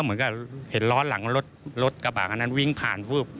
เหมือนกับเห็นล้อหลังรถกระบะอันนั้นวิ่งผ่านฟืบ